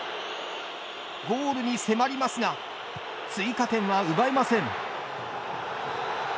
ゴールに迫りますが追加点は奪えません。